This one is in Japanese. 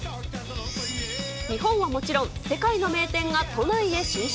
日本はもちろん、世界の名店が都内へ進出。